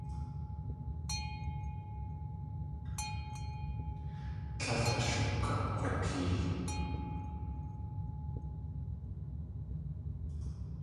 Tlél ashukakg̲watee.